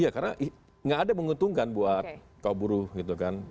iya karena nggak ada menguntungkan buat kaburuh gitu kan